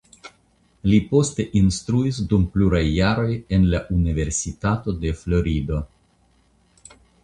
Li poste instruis dum pluraj jaroj en la Universitato de Florido.